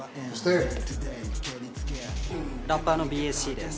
ラッパーのＢＳＣです。